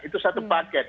itu satu paket